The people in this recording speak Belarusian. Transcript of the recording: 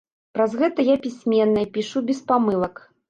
Праз гэта я пісьменная, пішу без памылак.